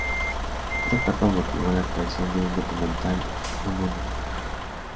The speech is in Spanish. Esta tapa motivó la creación de un documental homónimo.